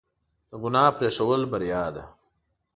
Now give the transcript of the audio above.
د ګناه پرېښودل بریا ده.